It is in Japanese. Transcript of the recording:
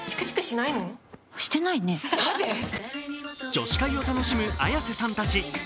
女子会を楽しむ綾瀬さんたち。